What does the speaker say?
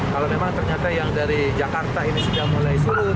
kalau memang ternyata yang dari jakarta ini sudah mulai surut